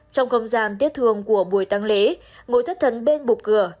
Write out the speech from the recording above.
trong không gian tiếc thương của buổi tăng lễ ngồi thất thần bên bục cửa